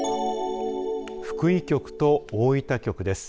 福井局と大分局です。